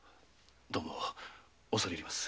どうも恐れ入ります。